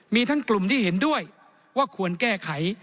มีทั้งกลุ่มที่เห็นด้วยว่าควรแก้ไข